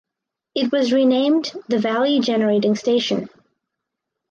It was renamed the Valley Generating Station.